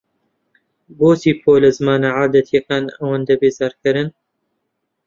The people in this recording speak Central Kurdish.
بۆچی پۆلە زمانە عادەتییەکان ئەوەندە بێزارکەرن؟